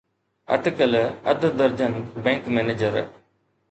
اٽڪل اڌ درجن بئنڪ مئنيجر